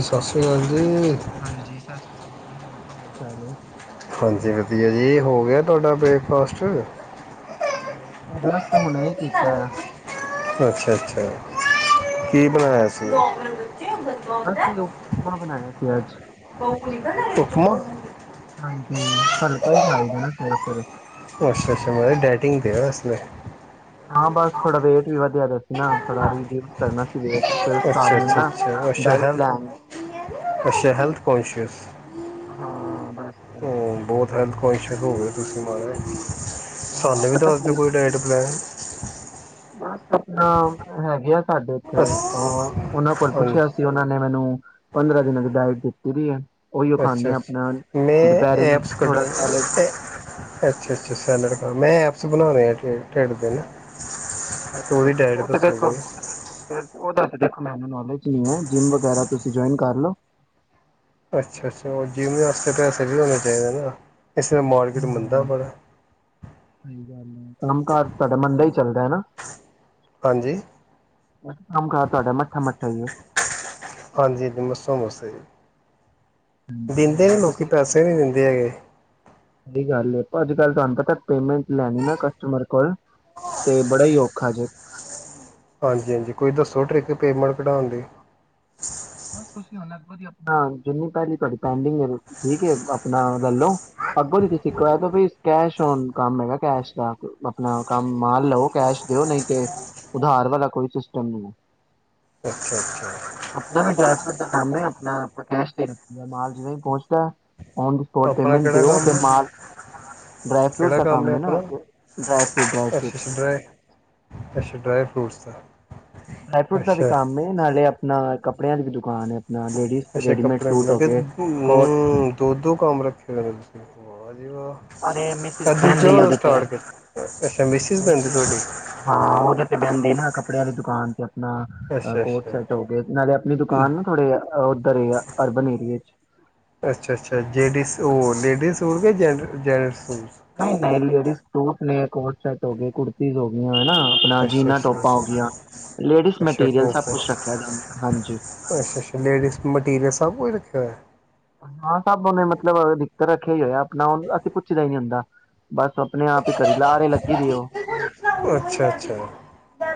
ਸਤਿ ਸ਼੍ਰੀ ਅਕਾਲ ਜੀ, ਹਾਂਜੀ ਸਤਿ ਸ਼੍ਰੀ ਅਕਾਲ [unintelligible] ਹਾਂਜੀ ਵਧੀਆ ਜੀ ਹੋ ਗਿਆ ਤੁਹਾਡਾ ਬ੍ਰੇਕਫਾਸਟ ਉਧਰਸ ਹੁਣੇ ਹੀ ਕੀਤਾ ਆ ਅੱਛਾ ਅੱਛਾ ਕੀ ਹਾਂਜੀ ਬਣਾਇਆ ਹਾਂਜੀ ਸੀ ਅਸੀਂ ਉਹ ਉਪਮਾ ਬਣਾਇਆ ਸੀ ਅੱਜ ਉਪਮਾ ਹਾਂਜੀ ਹਲਕਾ ਹੀ ਖਾਈ ਜਾਣਾ ਫਿਰ ਸਵੇਰੇ ਸਵੇਰੇ ਅੱਛਾ ਅੱਛਾ ਮਹਾਰਬ ਡੈਟਿੰਗ ਤੇ ਓ ਤੁਸੀਂ ਪੇ ਹਾਂ ਬਸ ਥਹਾੜਡਾ ਵੇਟ ਵੀ ਵਧੀਆ ਦੱਸੋ ਨਾ ਥੋੜਾ ਰੀਵਿਊਜ਼ ਕਰਨਾ ਸੀ ਵੇਖ ਅੱਛਾ ਅੱਛਾ ਅੱਛਾ ਅੱਾ ਹੈਲਥ ਪਲਾਨ ਅੱ ਹੈਲਥ ਕੋਂਸ਼ਅਸ ਹਾਂ ਬਸ ਤੁਰੰਤ ਕੁਈਸ਼ਨ ਹੋ ਗਏ ਤੁਸੀਂ ਮਹਾਰਾ ਹਾਂ ਸਾਨੂੰ ਵੀ ਪਤਾ ਦੱਸਦੇ ਕੀ ਕੋਈ ਲਾਈਟ ਪਲੈਨ ਬਸ ਆਪਣਾ ਹੈਗੇ ਆ ਸਾਡੇ ਇੱਥੇ ਅਸ ਅ ਉਹਨਾਂ ਕੋਲ ਹਾਂਜੀ ਪੁੱਛਿਆ ਸੀ ਉਹਨਾਂ ਨੇ ਮੈਨੂੰ ਪੰਦਰਾਂ ਦਿਨਾਂ ਦੀ ਡਾਇਟ ਦੇਖਤੀ ਰੀ ਹੈ ਉਹੀਓ ਅੱਛਾ ਖਾਂਦੇ ਆ ਆਪਣਾ ਅੱਛਾ ਮੈਂ ਦੁਪਹਿਰੇ ਨੂੰ ਐਪਸ ਕੱਢ ਥੋੜਾ ਸੈਲਡ ਅੱਛਾ ਅੱਛਾ ਮੈਂ ਅਸੀਂ ਬਣਾਉਣੇ ਆ ਢਿੱਡ ਦਿਨ ਅੱਛਾ ਅੱਛਾ ਉਹ ਤੇ ਦੇਖੋ ਫਿਰ ਉਹ ਦੱਸ ਦੇਖੋ ਮੈਨੂੰ ਨੋਲੇਜ ਨ ਹੈ ਜਿੰਮ ਵਗੈਰਾ ਤੁਸੀਂ ਜੁਆਇਨ ਕਰ ਲੋ ਅੱਛਾ ਅੱਛਾ ਉਹ ਜਿਵੇ ਵਸਤੇ ਪੈਸੇ ਵੀ ਹੋਣੇ ਚਾਹੀਦੇ ਨਾ ਇਸ ਤਰ੍ਹਾਂ ਮਾਰਕੀਟ ਹਾਂ ਮੰਦਾ ਸਹੀ ਬੜਾ [unintelligible] ਕੰਮ ਕਾਰ ਤਾਹਾਡਾ ਮੰੰਦਾ ਹੀ ਚੱਲਦਾ ਨਾ? ਹਾਂਜੀ ਕੰਮ ਕਰ ਤੁਹਾਡਾ ਮੱਠਾ ਮੱਾ ਹਜੀ ਹਾਂਜੀਮੱਸੋ ਮਸ ਜੀ ਦਿੰਦੇ ਨੇ ਹਾਂਜੀ। ਲੋਕੀ ਤੁਸੀਂ ਪੈਸੇ ਨਹੀ ਦਿੰਦੇ ਹੈਗੇ ਸਹੀ ਗੱਲ ਅੱਜ ਕੱਲ ਤੁਹਾਨੂੰ ਪਤਾ ਪੇਮੈਂਟ ਲੈਣੀ ਨਾ ਕਸਟਮਰ ਕੋਲ ਤੇ ਬੜਾ ਹੀ ਔਖਾ ਜੇ ਹਾਂਜੀ ਹਾਂਜੀ ਕੋਈ ਦੱਸੋ ਟਰਿੱਕ ਪੇਮੈਂਟ ਕਢਾਉਣ ਦੀ ਦੀ ਆਪ ਜਿੰਨੀ ਪਲੀ ਤੁ ਪਡਿੰਗ ਠੀਕ ਆਪਣਾ ਲਲੋ ਅੱਗੋਂ ਦੀ ਤੁ ਕ ਕੰਮ ਹੈਗਾ ਕ ਦਾ ਆਪਣਾ ਕੰਮ ਮ ਲਓ ਕੈਸ਼ ਦਿਓ ਨਹੀਂ ਤੇ ਉਧਾਰ ਵਾਲਾ ਕੋਈ ਸਿਸਟਮ ਨ ਅੱਛਾ ਅੱਛਾ ਡ ਫਰੂਟ ਦਾਾਮ ਆਪਣਾ ਆਪ ਕੈਸ਼ ਦੇ ਰੱਖ ਮਾਲ ਜਦ ਪਹੁੰਚਦਾ [unintelligible] ਨ ਦੀ ਸਪੋਟ ਆਪਣਾ ਪੇਮਟ ਕਿਹੜਾ ਦਿਓ ਕੰਮ ਮ ਹੈ ਡਰਾਈ ਫਰੂਟ ਦਾ ਕੰਮ ਹੈ ਨਾ ਡ੍ਰਈ ਫਰੂਟ ਡਰਾਈ ਅੱਛਾ ਫਰੂਟ ਸਸ [inaudible] ਡਰਾਈ ਫਰੂਟ ਦਾ ਵੀ ਕੰਮ ਏ, ਨਾਲੇ ਆਪ ਨਾਲ ਕੱਪੜਿਆਂ ਦੀ ਵੀ ਦੁਕਾਨ ਹੈ। ਆਪਣਾ ਲੇਡੀਜ਼ ਅੱਛਾ, ਰੈਡੀਮੇਡ ਸੂਟ ਕੱਪੜੇ ਹੋ ਕੇ ਗਏ ਹਮ ਕੋਟਸ ਦੋ- ਦੋ ਕੰਮ ਰੱਖੇ ਹੋ ਨੇ ਤੁਸੀਂ। ਅਰੇ ਮਿਸਿਸ ਬਹਿੰਦੀ ਦੂਜੇਦੋਂ ਉਹਦੇ ਤੇ ਸਟਾਰਟ ਕੀਤਾ ਅੱਛਾ ਮਿਸਿਸ ਪੈਂਦੀ ਤੁਹਾਡੀ [inaudible] ਕੱਲ ਦੁਕਾਨ ਤ ਆਪਣਾ ਅੱਛਾ ਕੋਟ ਅੱਛਾ ਸੈਟ ਹੋਗੇ, ਨਾਲੇ ਆਪਣੀ ਦੁਕਾਨ ਨਾ ਥੋੜੇ ਉੱਧਰ ਅਰਬਨ ਏਰੀਏ ਚ [inaudible] ਅੱਛਾ -ਅੱਛਾ ਜੇਡੀਜ਼ ਉਹ, ਹਾਂ ਲੇਡੀਜ਼ ਸੂਣਗੇ ਜੈਂਟ ਜੈ [inaudible] ਨਹੀਂ ਨਹੀਂ ਲੇਡੀਜ਼ ਸੂਟ ਨੇ, ਕੋਟ ਸ਼ਰਟ ਹੋ ਗਈ, ਕੁੁਰਤੀਜ ਹੋ ਗਈਆਂ। ਹਨਾ, ਆਪਣਾ ਅੱਛਾ ਜੀਨਾ ਅੱਛਾ ਟੋਪਾਂ ਹੋਗੀਆਂ, ਲੇਡੀਜ਼ ਅੱਛਾ ਮਟੀਰੀਅਲ ਸਭ ਟੋਪ ਕੁਛ ਰੱਖਿਆ ਹਾਂਜੀ। ਹ [inaudible] ਹਾਂ, ਸਭ ਉਹਨੇ ਮਤਲਬ ਰੱਖਿਆ ਹੀ ਹੋਇਆ ਆਪਣਾ, ਉਹ ਅਸੀਂ ਪੁੱਛਦਾ ਹੀ ਨਹੀਂ ਹੁੰਦਾ, ਬਸ ਆਪਣੇ ਆਪ ਹੀ ਕਰੀ, ਲਾਰੇ ਲੱਗੀ ਦੇ ਉਹ। ਅੱਛਾ -ਅੱਛਾ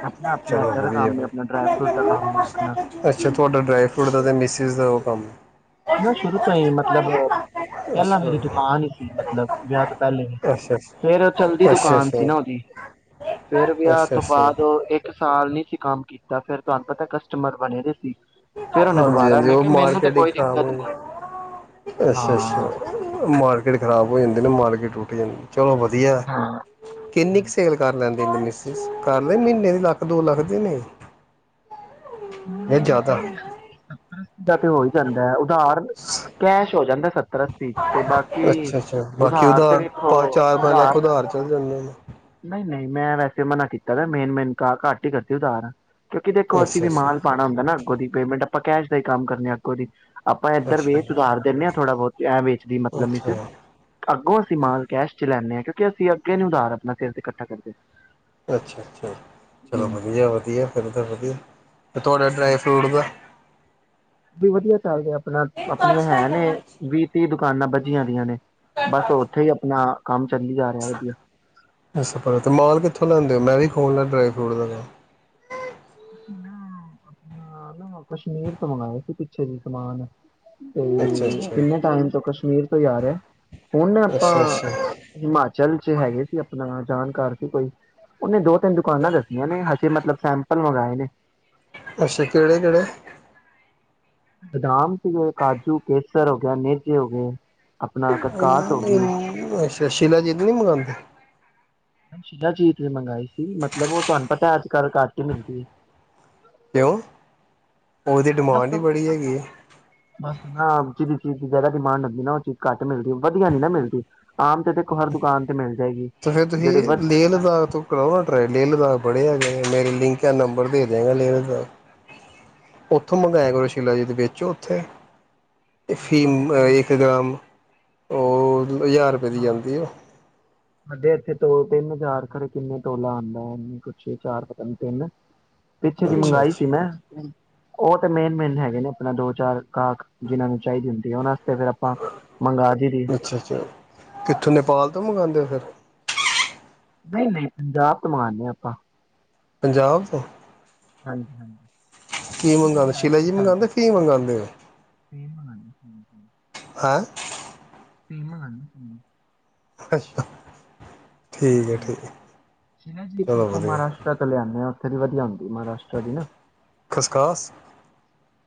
ਆਪਣਾ ਆਪਣਾ ਚਲੋ ਇੱਧਰ ਵਧੀਆ ਕੰਮ ਹੈ, ਬਾਈ, ਆਪਣਾ ਡਰਾਈ ਫਰੂਟ ਦਾ ਕੰਮ ਹੈ ਆਪਣਾ ਅੱਛਾ ਤੁਹਾਡਾ ਡਰਾਈ ਫਰੂਟ ਦਾ ਅਤੇ ਮਿਸਿਸ ਦਾ ਉਹ ਕੰਮ। ਨਾ ਸ਼ੁਰੂ ਅੱਛਾ ਤੋਂ ਹੀ ਮਤਲਬ, ਅੱਛਾ ਅੱਛਾ ਪਹਿਲਾਂ ਮੇਰੀ ਦੁਕਾਨ ਹੀ ਸੀ ਮਤਲਬ, ਵਿਆਹ ਤੋਂ ਪਹਿਲੇ ਅੱਛਾ ਅੱਛਾ ਫੇਰ ਚਲਦੀ ਦੁਕਾਨ ਸੀ ਨਾ ਉਹਦੀ। ਫੇਰ ਵਿਆਹ ਅੱਛਾ ਤੋਂ ਅੱਛਾ ਬਾਅਦ, ਉਹ ਇੱਕ ਸਾਲ ਨੀ ਕੰਮ ਕੀਤਾ, ਫਿਰ ਤੁਹਾਨੂੰ ਪਤਾ ਕਸਟਮਰ ਬਣੇ ਨੇ। ਹਾਂਜੀ -ਹਾਂਜੀ, ਉਹ ਮਾਰਕੀਟ ਇੱਕ ਦਿੱਕਤ ਨੀ ਹੈ ਅੱਛਾ -ਅੱਛਾ, ਹਾਂ ਮਾਰਕੀਟ ਖਰਾਬ ਹੋ ਜਾਂਦੀ ਨੇ ਮਾਰਕੀਟ। ਰੁਕਨ [inaudible] ਚਲੋ ਵਧੀਆ, ਹਾਂ ਕਿੰਨੀ ਕੁ ਸੇਲ ਕਰ ਲੈਂਦੇ ਮਿਸ ਕਰਲੇ ਮਹੀਨੇ ਦੀ, ਲੱਖ ਦੋ ਲੱਖ ਦੀ ਨਹੀਂ? ਇਹ ਜ਼ਿਆਦਾ ਹ ਸੱ [inaudible] ਤੇ ਹੋ ਹੀ ਜਾਂਦੈ ਧਾਰ ਕੈਸ਼ ਹੋ ਜਾਂਦਾ ਅੱਸੀ ਚ ਤੇ ਬਾਕੀ, ਅੱਛਾ ਅੱਛਾ ਬਾਕੀ ਉਧਾਰ ਤੇ ਵੇਖੋ ਪਾ ਚਾਰ ਪੰਜ ਲੱਖ ਉਧਾਰ ਚੱਲ ਜਾਂਦੇ ਨੇ ਨਹੀਂ- ਨਹੀਂ। ਮੈਂ ਵੈਸੇ ਮਨਾ ਕੀਤਾ ਵੇ, ਮੇਨ -ਮੇਨ ਕ ਘੱਟ ਹੀ ਕਰਦੀ ਉਦਾਰ। ਕਿਉਂਕਿ ਦੇਖੋ ਅੱਛਾ ਵੀ ਅੱਛਾ ਮਾਲ ਪਾਉਣਾ ਹੁੰਦਾ ਨਾ, ਅੱਗੋਂ ਦੀ ਪੇਮੈਂਟ ਮੂੰਕੈਸ਼ ਦਾ ਹੀ ਕੰਮ ਕਰਨੇ ਆਂ, ਅੱਗੋ ਦੀ। ਆਪਾਂ ਇੱਧਰ ਅੱਛਾ ਵੇ ਸੁਧਾਰ ਦਿੰਨੇ ਹਾਂ ਥੋੜ੍ਹਾ ਬਹੁਤ, ਐ ਵੇਚ ਦੇਈ ਮਤਲਬ ਮਿਸ ਅੱਛਾ ਅੱਗੋਂ ਅਸੀਂ ਮਾਲ ਕੈਸ਼ ਚ ਲੈਂਨੇ ਆਂ। ਅਸੀਂ ਅੱਗੇ ਨੀ ਉਧਾਰ, ਆਪਣੇ ਸਿਰ ਤੇ ਇਕੱਠਾ ਕਰਦੇ। ਅੱਛਾ ਅੱਛਾ ਚਲੋ ਹਮ ਵਧੀਆ ਵਧੀਆ, ਫਿਰ ਤਾਂ ਵਧੀਆ। ਤੇ ਤੁਹਾਡਾ ਡਰਾਈ ਫਰੂਟ ਦਾ ਵੀ ਵਧੀਆ ਚੱਲ ਰਿਹਾ ਆਪਣਾ, ਆਪਣੀਆਂ ਹੈ ਨੇ ਵੀਹ ਤੀਹ ਦੁਕਾ ਦੁਕਾਨਾਂ ਬੱਜੀਆਂ ਦੀਆਂ ਨੇ। ਬਸ ਉੱਥੇ ਹੀ ਆਪਣਾ ਕੰਮ [unintelligible] ਵਧੀਆ। ਅੱਛਾ, ਪਰ ਤੇ ਮਾਲ ਕਿੱਥੋਂ ਲਿਆਂਦੇ ਹੋ, ਮੈਂ ਵੀ ਔ ਨਾ ਡਰਾਈ ਫਰੂਟ ਦਾ ਕਮ ਨਾ ਆਪ ਨਾ ਕਸ਼ਮੀਰ ਤੋਂ ਮੰਗਵਾਐ ਸੀ ਪਿੱਛੇ ਜਿ ਸਮਾਨ। ਤੇ, ਅੱਛਾ ਅੱਛਾ ਕਿੰਨੇ ਟਾਈਮ ਤੋਂ ਕਸ਼ਮੀਰ ਤੋਂ ਜਾ ਰਿਹਾ। ਹੁਣ ਆਪਾਂ, ਅੱਛਾ ਅੱਛਾ ਹਿਮਾਚਲ ਚ ਹੈਗੇ ਸੀ ਆਪਣਾ ਜਾਣ ਘਰ ਸੀ ਕੋਈ, ਉਹਨੇ ਦੇ ਤਿੰਨ ਦੁਕਾਨਾਂ ਦੱਸੀਆਂ ਨੇ, ਹਜੇ ਮਤਲਬ ਸੈ ਮੰਗਾਏ ਨੇ। ਅੱਛਾ, ਕਿਹੜੇ -ਕਿਹੜੇ ਬਦਾਮ। ਕਾਜੂ, ਕਿਸ਼ - ਫੇਰ ਹੋ ਗਿਆ, ਨੇਜੇ ਹੋ ਗਏ। ਆਪਣਾ ਕਸਕਾਸ ਹੋ ਗਈ। [unintelligible] ਅਤੇ ਸ਼ੀਲਾ ਜੀਤ ਨਹੀਂ ਮੰਗਵਾਉਦੇ। ਸ਼ਿਲਾ ਜੀਤ ਵੀ ਮੰਗਵਾਈ ਸੀ ਮਤਲਬ ਉਹ ਤੁਹਾਨੂੰ ਪਤਾ ਅੱਜ ਕੱਲ੍ਹ ਘੱਟ ਮਿਲ ਦੀ ਐ। ਤੇ ਔ। ਉਹਦੀ ਡਿਮਾਂਡ ਵੀ ਬਸ ਬੜੀ ਹੈਗੀ ਐ। ਜਿਹੜੀ ਚੀਜ਼ ਦੀ ਜਿਆਦਾ ਡਿਮਾਂਡ ਹੁੰਦੀ ਨਾ, ਉਹ ਚੀਜ਼ ਘੱਟ ਮਿਲਦੀ, ਵਧੀਆ ਨੀ ਨਾ ਮਿਲਦੀ। ਆਮ ਤੇ ਦੇਖੋ ਹਰ ਦੁਕਾਨ ਮਿਲ ਜਾਏਗੀ ਤੇ ਫੇਰ ਜਿਹੜੇ ਤੁਸੀਂ ਵ ਲੇਹ -ਲਦਾਖ ਤੋਂ ਕਰਓ ਨਾ ਟਰਾਏ ਲੇਹ -ਲਦਾਖ ਬੜੇ ਹੈਗੇ। ਏਹ ਮੇਰੀ ਲਿੰਕ ਐ, ਨੰਬਰ ਭੇਜ ਦਿਆਂਗਾ ਲਿੰਕ ਦਾ। ਉੱਥੋਂ ਮੰਗਾਇਆ ਕਰੋ ਸ਼ੀਲਾ ਜੀ, ਦੇ ਵੇਚੋ। ਤੇ ਅਫੀਮ ਇੱਕ ਗ੍ਰਾਮ- ਉਹ ਹਜ਼ਾਰ ਰੁਪਏ ਦੀ ਆਦੀ ਐ, ਉਹ ਦੋ ਤਿੰਨ ਹਚਾਰ ਖਰੇ ਕਿੰਨੇ ਟੋਲਾ ਆਉਂਦਾ ਐ, ਐਨੇ ਕੁਛ ਛੇ ਚਾਰ ਪਤਾ ਨਹੀ ਤਿੰਨ ਪਿੱਛੇ ਜੀ ਅੱਛਾ ਮੰਗਾਈ ਅੱਛਾ ਸੀ ਮੈਂ। ਉਹ ਤੇ ਮੇਨ- ਮੇਨ ਹੈਗੇ ਨੇ ਆਪਣਾ ਦੋ -ਚਾਰ ਗਾਹਕ, ਜਿਹਨਾਂ ਨੂੰ ਚਾਹੀਦੀ ਹੁੰਦੀ ਉਹਨਾਂ ਤੇ ਫੇਰ ਆਪਾਂ ਮੰਗਵਾ ਦੰਦੀ। ਅੱਛਾ -ਅੱਛਾ, ਕਿੱਥੋਂ ਨੇਪਾਲ ਤੋਂ ਮੰਗਵਾਉਂਦੇ ਹੋ ਫਿਰ ਨਹੀਂ- ਨਹੀਂ, ਪੰਜਾਬ ਤੇ ਮਂਗਨਦੇ ਹਾਂ। ਆਪਾਂ ਪੰਜਾਬ ਤੋਂ ਹਾਂਜੀ ਹਾਂਜੀ। ਕੀ ਮੰਗਵਾਉਂ ਸ਼ਿਲਾ ਜੀ ਸੇਮ ਮੰਗਵਾਉਂਦੇ ਕੀ ਮੰਗਵਾਉਂਦੇ ਹੋ। [inaudible] ਹੈਂ। ਫਿਮ ਮਗ ਅੱਛਾ। ਠੀਕ ਹੈ ਹੂੰ, ਠੀਕ ਹੈ ਇਹ ਚੀਜਾਂ ਚਲੋ ਆਪਾਂ ਵਧੀਆ ਮਹਾਰਾਸ਼ਟਟਰ ਤੋਂ ਲਿਆਦੇ ਹਾਂ। [unintelligible] ਲਿਆਦੀ। ਮਹਾਰਾਸ਼ਟਰ ਦੀ ਨਾ ਖਸਖਾਸ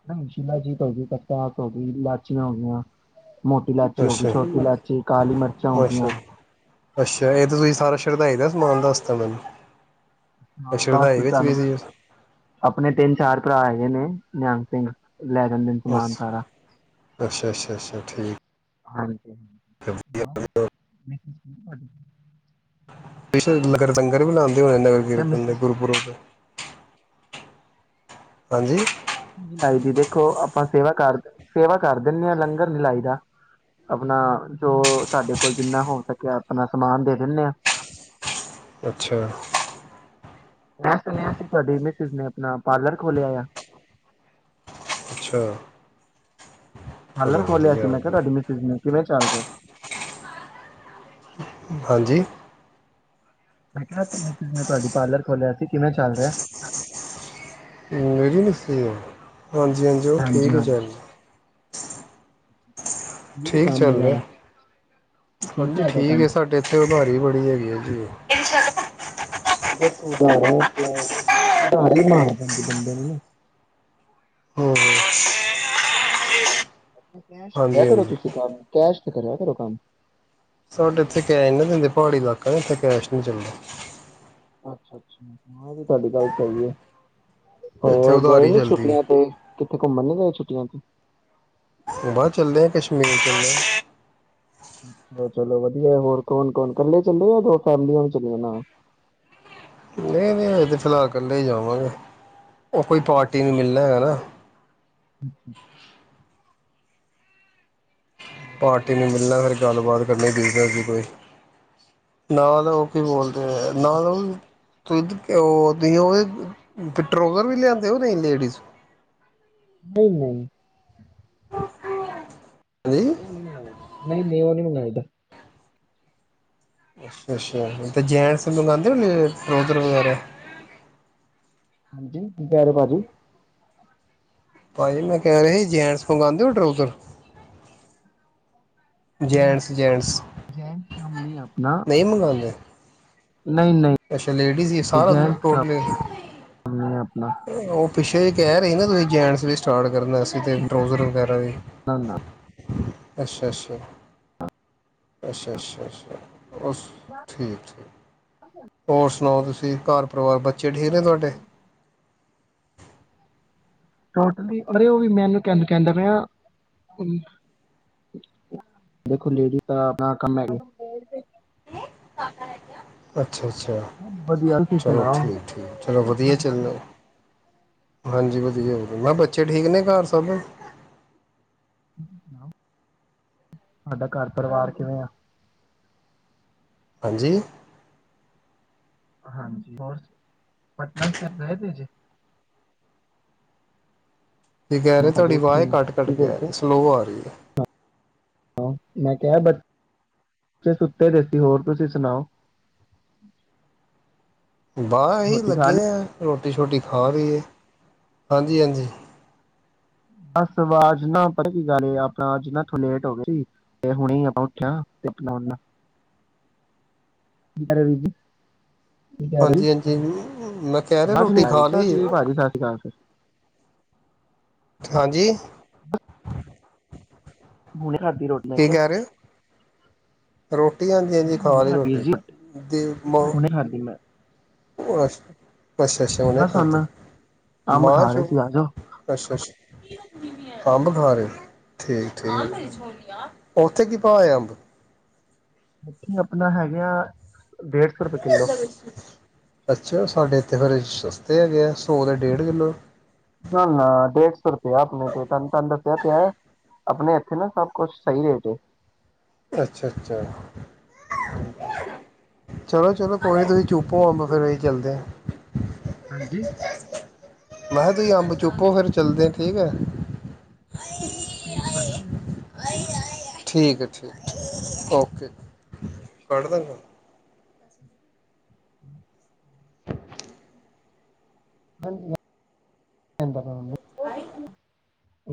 ਨਹੀਂ ਸ਼ਿਲਾਜੀਤ ਹੋ ਗਈ, ਖਸਖਾਸ ਹੋ ਗਈ, ਇਲਾਚੀਆਂ ਹੋ ਗਈਆ। ਮੋਟੀ ਇਲਾਚੀ ਹੋ ਗਈ, ਅੱਛਾ ਛੋਟੀ ਇਲਾਚੀ ਕਾਲੀ ਮਿਰਚਾਂ ਹੋ ਅੱਛਾ ਗਈਆ। ਸ਼ਰਦਾਈ ਦਾ ਸਮਾਨ ਦੱਸਤਾ ਮੈਨੂੰ ਹਾਂ, ਬਸ ਸ਼ਰਧਾਈ ਵਿੱਚ ਵੀ ਤੁਹਾਨੂੰ ਸੀ ਆਪਣੇ ਤਿੰਨ- ਚਾਰ ਭਰਾ ਹੈ। ਨਹੀਂ, ਨਹੀਂ ਨਿਹੰਗ ਸਿੰਘ ਲੈ ਜਾਂਦੇ ਸਮਾਨ ਅੱਛਾ ਸਾਰਾ ਅੱਛਾ, ਅੱਛਾ, ਅੱਛਾ ਠੀਕ। ਹਾਂਜੀ। [unintelligible] ਹਾਂਜੀ। ਬੇਸ਼ੱਕ ਲੰਗਰ ਵੀ ਲਾਉਂਦੇ। ਨਗਰ ਮੈਂ ਕਿਹਾ ਕੀਰਤਨ ਤੇ ਮਿਸਿਸ ਗੁਰਪੁਰਬ ਤੇ ਹਾਂਜੀ। ਛਬੀਲ ਲੱਗਦੀ, ਦੇਖੋ ਆਪਾਂ ਸੇਵਾ ਕਰ ਸੇਵਾ ਕਰ ਦਿੰਦੇ ਹਾਂ, ਲੰਗਰ ਲਗਾਈ ਦਾ ਆਪਣਾ ਜੋ ਸਾਡੇ ਕੋਲ ਜਿੰਨਾ ਹੋ ਸਕਿਆ ਆਪਣਾ ਸਮਾਨ ਦੇ ਦਿੰਦੇ ਹਾਂ। ਅੱਛਾ। ਮੈਂ ਸੁਣਿਆ ਸੀ ਤੁਹਾਡੀ ਮਿਸਿਸ ਨੇ ਆਪਣਾ ਪਾਰਲਰ ਖੋਲਿਆ ਆ। ਅੱਛਾ। ਪਾਰਲਰ ਚਲੋ ਖੋਲਿਆ ਵਧੀਆ ਸੀ, ਹੋ ਮੈਂ ਕਿਹਾ ਗਿਆ। ਤੁਹਾਡੀ ਮਿਸਜ ਨੇ ਕਿਵੇਂ ਚੱਲ ਰਿਹਾ। ਹਾਂਜੀ। ਮੈਂ ਕਿਹਾ, ਤੁਹਾਡੀ ਮਿਸੇਜ ਨੇ ਪਾਰਲਰ ਖੋਲਿਆ ਸੀ ਕਿਵੇਂ ਚੱਲ ਰਿਹਾ। [unintelligible] ਹਾਂਜੀ- ਹਾਂਜੀ ਉਹ ਠੀਕ ਹੀ ਚੱਲ ਰਿਹਾ। ਹੈ ਠੀਕ ਕੰਮ ਚੱਲ ਰਿਹਾ। ਵਗੈਰਾ ਹਾਂਜੀ ਚੱਲਦਾ ਠੀਕ ਕੰਮ ਹੈ, ਸਾਡੇ ਇੱਥੇ ਉਧਾਰੀ ਬੜੀ ਹੈਗੀ ਹੈ ਜੀ। [unintelligible] ਉਧਾਰ, ਉਧਾਰੀ ਹੀ ਮਾਰ ਦਿੰਦੀ ਬੰਦੇ ਨੂੰ ਹੂੰ ਕੈਸ਼ ਲਿਆ ਹਾਂਜੀ ਕਰੋ, ਹਾਂਜੀ ਤੁਸੀਂ ਕੰਮ ਕੈਸ਼ ਕਰਿਆ ਕਰੋ ਕੰਮ। ਸਾਡੇ ਇੱਥੇ ਕਹ ਨਾ ਦਿੰਦੇ ਪਹਾੜੀ ਇਲਾਕਾ ਕਹੋ ਇੱਥੇ ਕੈਸ਼ ਨਹੀਂ ਚੱਲਦਾ। ਅੱਛਾ, ਅੱਛਾ ਇਹ ਵੀ ਤੁਹਾਡੀ ਗੱਲ ਸਹੀ ਹੈ। ਇੱਥੇ ਹੋਰ ਗਏ ਉਧਾਰੀ ਨੀ ਚੱਲਦੀ ਹੈ ਛੁੱਟੀਆਂ ਤੇ ਕਿੱਥੇ ਘੁੰਮਣ ਨੀ। ਛੁੱਟੀਆਂ ਚ ਬਾਹਰ ਚੱਲਦੇ ਆ, ਕਸ਼ਮੀਰ ਚੱਲ ਅੱਛਾ, ਚਲੋ ਵਧੀਆ ਹੋਰ ਕੌਣ ਕੌਣ ਕੱਲੇ ਚੱਲੇ ਜਾਂ ਦੋ ਫੈਮਲੀਆਂ ਵੀ ਚੱਲੀਆ ਨਾਲ। ਨਹੀਂ ਨਹੀਂ ਇਹ ਤੇ ਫਿਲਹਾਲ ਕੱਲੇ ਹੀ ਜਾਵਾਂਗੇ। ਉਹ ਕੋਈ ਪਾਰਟੀ ਅੱਛਾ ਨਹੀਂ ਮਿਲਣਾ ਹੈਗਾ ਨਾ। ਅੱਛਾ। ਹੋਰ ਪਾਰਟੀ ਸੁਣਾਓ ਨੂੰ ਮਿਲਣਾ ਫੇਿਰ ਗੱਲਬਾਤ। [inaudible] ਬਿਜ਼ਨਸ ਦੀ ਕੋਈ ਨਾਲ ਤਾਂ ਉਹ। ਕੀ ਬੋਲਦੇ ਅੱਛਾ ਨਾਲੋਂ। ਤੁਸੀਂ ਫਿੱਟਰ ਟਰੋਜ਼ਰ ਵੀ ਲਿਆਂਦੇਓ ਨਹੀਂ ਲੇਡੀਜ਼ ਨਹੀਂ ਨਹੀਂ। ਹਾਂਜੀ ਉਹ ਨੀ ਮਨ ਨਹੀਂ ਨ ਉਹ ਨਹੀਂ ਹਣਾ ਇਹਦਾ ਅੱਛਾ ਅੱਛਾ ਤੇ ਜੈਂਟਸ ਮੰਗਵਾਉਦੇ ਹੋ ਟਰੋਜ਼ਰ ਵਗੈਰਾ ਹਾਂਜੀ ਕੀ ਕਹਿ ਰਹੇ ਭਾਜੀ। ਭਾਜੀ ਮੈਂ ਕਹਿ ਰਹੇ ਸੀ ਜੇਨਟਸ ਮੰਗਵਾਉਦੇ ਹੋ ਟਰਊਜ਼ਰ ਨਹੀਂ ਜੈਂਟਸ ਜੈਂਟਸ ਜੈਨ ਕੰਮ ਨਹੀਂ ਆਪਣਾ ਨਹੀਂ ਮੰਗਵਾਉਂਦੇ। ਨਹੀਂ ਨਹੀਂ ਅੱਛਾ ਲੇਡੀਜ਼ ਹੀ ਸਾਰਾ ਜੈਂਟਸ ਟੋਟਲ ਕੰਮ ਨਹੀਂ ਹੈ ਆਪਣਾ [inaudible] ਪਿੱਛੇ ਜ ਕਹਿ ਰਹੇ ਨਾ ਤੁਸੀਂ ਜੈਂਟਸ ਵੀ ਸਟਾਰਟ ਕਰਨਾ ਅਸੀਂ ਅਤੇ ਟਰੋਜ਼ਰ ਵਗੈਰਾ ਵੀ ਨਾ ਨਾ। ਅੱਛਾ ਅੱਛਾ। ਅੱਛਾ ਅੱਛਾ ਅੱਛਾ। ਅ ਠੀਕ ਠੀਕ ਹੋਰ ਸੁਣਾਓ ਤੁਸੀਂ ਤੁਸੀ ਘਰ ਪਰਿਵਾਰ ਬੱਚ ਅੱਛਾ ਠੀਕ ਹੈ ਤੁਹਾਡੇ। ਟੋਟਲੀ ਅਰੇ ਉਹ ਵੀ ਮੈਨੂੰ ਕਹ ਕਹਿੰਦਾ ਪ ਦੇਖੋ ਲੇਡੀ ਤਾਂ ਆਪਣਾ ਕੰਮ ਹੈ। ਅੱ। ਅੱਛਾ ਅੱਛਾ ਵਧੀਆ ਤੁਸੀਂ ਚਲੋ ਸੁਣਾਓ ਠੀਕ ਠੀਕ ਚਲੋ ਵਧੀਆ ਚੱਲਦਾ। ਹਾਂਜੀ ਵਧੀਆ ਹੋਰ ਮੈਮ ਬੱਚੇ ਠੀਕ ਨੇ ਘਰ ਸਭ ਤੁਹਾਡਾ ਘਰ ਪਰਿਵਾਰ ਕਿਵੇਂ ਆ। ਹਾਂਜੀ। ਹਾਂਜੀ ਹੋਰ ਪਟਨਾ ਸਾਹਿਬ ਰਹੇ ਤੇ ਜੇ ਕੀ ਕਹਿ ਰਹੇ ਅਜੇ ਤੁਹਾਡੀ ਉੱਠੇ ਆਵਾਜ਼ ਨਹੀਂ ਘੱਟ ਘੱਟ ਕੀ ਕਹਿ ਰ ਕਰਦੇ ਸਲੋ ਆ ਰਹੀ ਹੈ। ਮੈਂ ਕਿਹਾ ਬੱਚ ਸੁੱਤੇ ਦੇਸੀ ਹੋਰ ਤੁਸੀਂ ਸੁਣਾਓ। ਬਾਹਰ ਹੀ ਰੋਟੀ ਖਾ ਲੱਗੇ ਲਈ ਦੇ ਰੋਟੀ ਸ਼ੋਟੀ ਖਾ ਰਹੀ ਇਹ ਹਾਂਜੀ ਹਾਂਜੀ। ਬਸ ਆਵਾਜ਼ ਨਾ ਪਤਾ ਕੀ ਗੱਲ ਏ ਆਪਣਾ ਅੱਜ ਨਾਥ ਲੇਟ ਹੋ ਗ ਸੀ ਤੇ ਹੁਣੇ ਆਪਾਂ ਉੱਠਿਆ ਤੇਣਾ ਕਰ ਵੀ। ਹਾਂਜੀ ਹਾਂਜੀ ਮੈਂ ਕਹਿ ਰਿਹਾ ਆਵਾਜ਼ ਰੋਟੀ ਨਹੀਂ ਆ ਰਹੀ ਖਾ ਚਲੋ ਲਈ। ਠੀਕ ਭਾਜੀ ਸਤਿ ਸ਼੍ਰੀ ਅਕਾਲ ਫਿਰ ਹਾਂਜੀ ਹੁਣੇ ਖਾਧੀ ਰੋਟੀ ਮੈਂ ਕੀ ਕਿਹਾ ਕਹਿ ਰਹੇ ਹੋ ਰੋਟੀ ਹਾਂਜੀ ਮੈਂ ਹਾਂਜੀ ਖਾ ਹੁਣੇ ਲਈ ਖਾਦੀ ਵੀਰ ਰੋਟੀ ਜੀ ਦੀ ਮ ਹੁਣੇ ਖਾਦੀ ਮੈਂ ਉਹ ਅਛਾ ਅੱਛਾ ਅੱਛਾ ਉਣੇ ਬਸ ਖਾਧੀ ਹੁਣ ਅੰਬ ਮਾਂ ਖਾ ਚ ਰਹੇ ਸੀ ਆ ਜਾਓ। ਅੱਛਾ ਅੱ ਅੰਬ ਖਾ ਰਹੇ ਠੀਕ ਹਾਂਜੀ ਹਾਂਜੀ ਠੀਕ ਉੱਥੇ ਕੀ ਭਾ ਹੈ ਅੰਬ ਇੱਥੇ ਆਪਣਾ ਹੈਗੇ ਆ ਡੇਢ ਸੌ ਰੁਪਏ ਕਿੱਲੋ ਅੱਛਾ ਸਾਡੇ ਇੱਥੇ ਫੇਰ ਸਸਤੇ ਹੈਗੇ ਆ ਸੌ ਦੇ ਡੇਢ ਕਿੱਲੋ ਨਾ ਨਾ ਡੇਢ ਸੌ ਰੁਪਇਆ ਆਪਣੇ ਤੇ ਤਹਨੂੰ ਤਹਾਨੂੰ ਦੱਸਿਆ ਤੇ ਆਪਣੇ ਇੱਥੇ ਨਾ ਸਭ ਕੁਛ ਸਹੀ ਰੇਟ ਹੈ ਅੱਛਾ ਅੱਛਾ ਹਾਂਜੀ ਚਲੋ ਚਲੋ ਕੋਈ ਨੀ ਤੁਸੀਂ ਚੁੱਪ ਹੋ ਫੇਰ ਅਸੀ ਚੱਲਦੇ ਹਾ ਹਾਂਜੀ ਮੈ ਕਿਹਾ ਤੁਸੀਂ ਅੰਬ ਚੁਪੋ ਫੇਰ ਚੱਲਦੇ ਆ ਠੀਕ ਹੈ ਠੀਕ ਭਾਈ ਠੀਕ ਹੈ ਠੀਕ ਓਕੇ ਕਢ ਦਾਂਗਾ ਹਮ ਹਾਂਜੀ ਹੁੰਦਾ ਹਾਂ